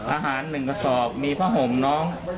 อาหาร๑กระสอบมีผ้าห่มน้อง